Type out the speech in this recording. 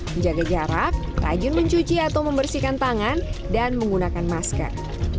menjaga jarak rajin mencuci atau membersihkan tangan dan menggunakan masker